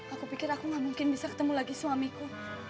aku pikir aku gak mungkin bisa ketemu lagi suamiku